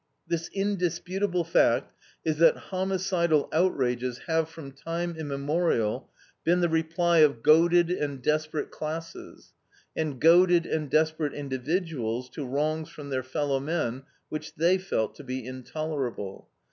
This indisputable fact is that homicidal outrages have, from time immemorial, been the reply of goaded and desperate classes, and goaded and desperate individuals, to wrongs from their fellowmen, which they felt to be intolerable.